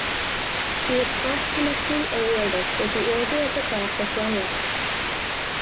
She was posthumously awarded with the Order of the Cross of Grunwald.